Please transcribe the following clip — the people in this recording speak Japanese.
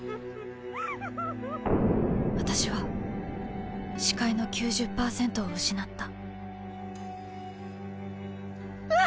私は視界の９０％を失ったうわ！